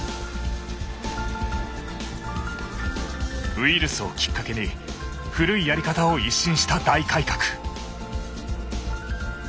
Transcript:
ウイルスをきっかけに古いやり方を一新した大改革。